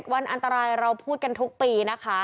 วันอันตรายเราพูดกันทุกปีนะคะ